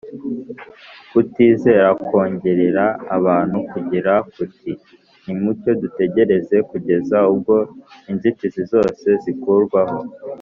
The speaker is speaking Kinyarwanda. ukutizera kongorera abantu kugira kuti: “nimucyo dutegereze kugeza ubwo inzitizi zose zikurwaho,